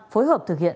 phối hợp thực hiện